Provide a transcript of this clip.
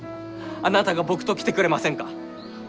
あなたが僕と来てくれませんか？